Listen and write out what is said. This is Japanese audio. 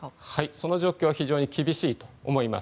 その状況は非常に厳しいと思います。